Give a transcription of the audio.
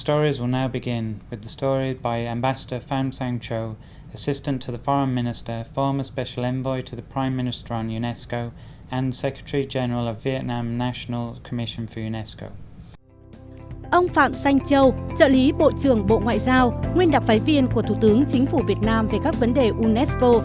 ông phạm xanh châu trợ lý bộ trưởng bộ ngoại giao nguyên đặc phái viên của thủ tướng chính phủ việt nam về các vấn đề unesco